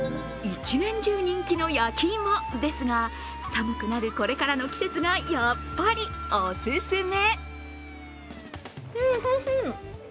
一年中人気の焼き芋ですが、寒くなるこれからの季節がやっぱりお勧め。